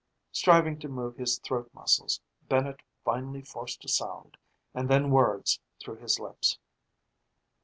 Striving to move his throat muscles, Bennett finally forced a sound, and then words, through his lips.